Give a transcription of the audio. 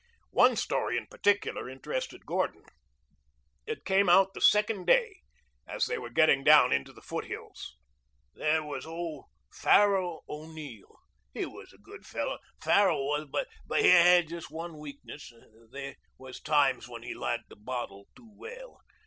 One story in particular interested Gordon. It came out the second day, as they were getting down into the foothills. "There was Farrell O'Neill. He was a good fellow, Farrell was, but he had just one weakness. There was times when he liked the bottle too well.